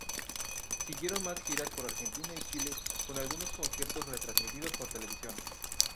Siguieron más giras por Argentina y Chile, con algunos conciertos retransmitidos por televisión.